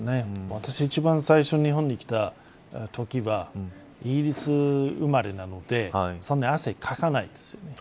私、一番最初、日本に来たときはイギリス生まれなのでそんなに汗かかないんです。